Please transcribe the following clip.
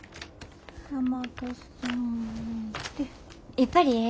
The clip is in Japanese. やっぱりええ。